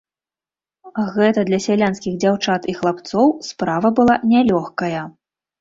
Гэта для сялянскіх дзяўчат і хлапцоў справа была нялёгкая.